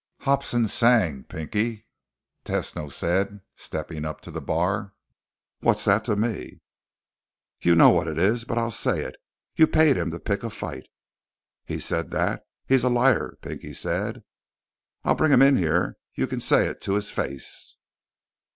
"Hobson sang, Pinky," Tesno said, stepping up to the bar. "What's that to me?" "You know what it is, but I'll say it. You paid him to pick a fight." "He said that? He's a liar," Pinky said. "I'll bring him in here. You can say it to his face."